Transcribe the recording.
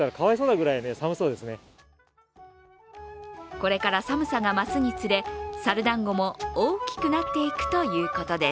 これから寒さが増すにつれ、猿だんごも大きくなっていくということです。